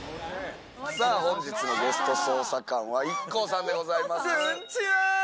本日のゲスト捜査官はＩＫＫＯさんでございます。